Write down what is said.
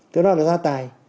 từ đó là ra tài